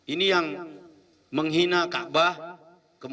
ini yang menghina kak baris